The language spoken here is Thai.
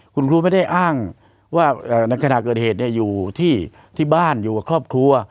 คุณครูไม่ได้อ้างว่าในขณะเกิดเหตุอยู่ที่บ้านอยู่กับครอบครัว